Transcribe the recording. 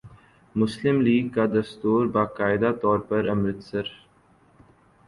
مسلم لیگ کا دستور باقاعدہ طور پر امرتسر